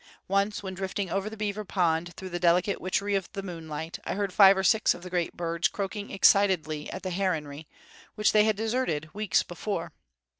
Once, when drifting over the beaver pond through the delicate witchery of the moonlight, I heard five or six of the great birds croaking excitedly at the heronry, which they had deserted weeks before.